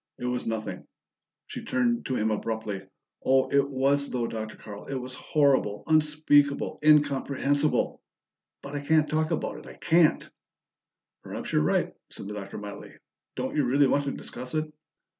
"It was nothing " She turned to him abruptly. "Oh, it was, though, Dr. Carl! It was horrible, unspeakable, incomprehensible! But I can't talk about it! I can't!" "Perhaps you're right," said the Doctor mildly. "Don't you really want to discuss it?"